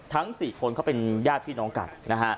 ทั้ง๔คนเขาเป็นญาติพี่น้องกันนะฮะ